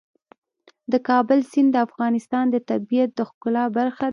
د کابل سیند د افغانستان د طبیعت د ښکلا برخه ده.